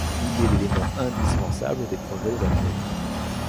Il est l’élément indispensable des progrès de l’athlète.